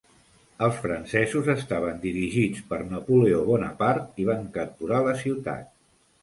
Els francesos estaven dirigits per Napoleó Bonapart i van capturar la ciutat.